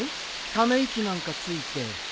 ため息なんかついて。